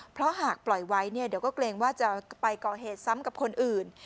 เพราะหากปล่อยไว้เนี่ยเดี๋ยวก็เกรงว่าจะไปก่อเหตุซ้ำกับคนอื่น